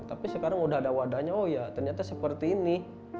tapi sekarang udah ada wadahnya oh ya ternyata seperti ini